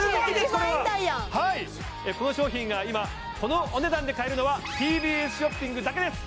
この商品が今このお値段で買えるのはＴＢＳショッピングだけです